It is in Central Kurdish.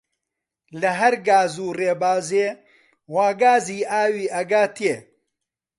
لە هەر گاز و ڕێبازێ وا گازی ئاوی ئەگاتێ